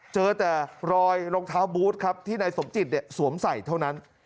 เจอแต่รอยรองเท้าบูธครับที่นายสมจิตสวมใส่เท่านั้น